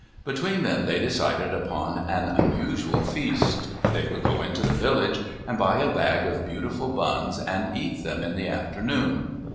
Between them they decided upon an unusual feast. They would go into the village and buy a bag of beautiful buns and eat them in the afternoon.